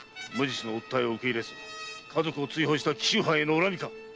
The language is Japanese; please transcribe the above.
無実の訴えを受け入れず家族を追放した藩への恨みか？